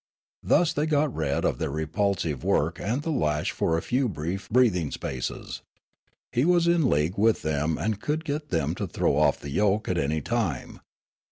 Thus they got rid of their repulsive work and the lash for a few brief breathing spaces. He was in league with them and could get them to throw off the j'oke at any time.